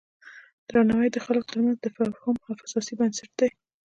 درناوی د خلکو ترمنځ د تفاهم اساسي بنسټ دی.